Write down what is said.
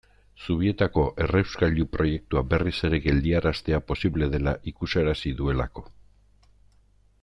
Zubietako errauskailu proiektua berriz ere geldiaraztea posible dela ikusarazi duelako.